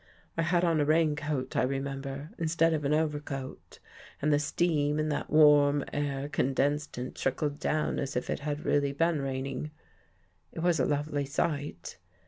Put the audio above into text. I had on a rain coat, I remember, instead of an overcoat and the steam in that warm air condensed and trickled down as if it had really been raining. It was a lovely sight.